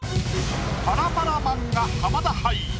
パラパラ漫画浜田杯。